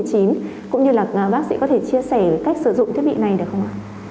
cũng như bác sĩ có thể chia sẻ cách sử dụng thiết bị này được không ạ